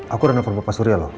aku udah nelfon bapak surya loh